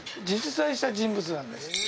実在した人物なんです。